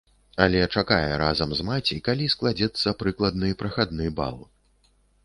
Але чакае разам з маці, калі складзецца прыкладны прахадны бал.